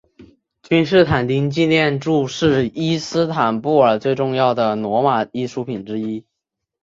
君士坦丁纪念柱是伊斯坦布尔最重要的罗马艺术品之一。